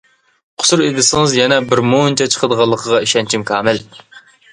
قۇسۇر ئىزدىسىڭىز يەنە بىر مۇنچە چىقىدىغانلىقىغا ئىشەنچىم كامىل.